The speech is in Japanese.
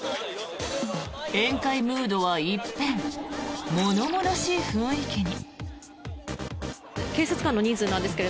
宴会ムードは一変物々しい雰囲気に。